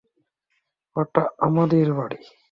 ওটা আমাদের বাড়ি।